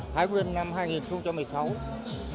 thái nguyên năm hai nghìn một mươi sáu